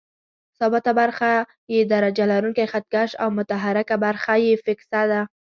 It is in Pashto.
ثابته برخه یې درجه لرونکی خط کش او متحرکه برخه یې فکسه ده.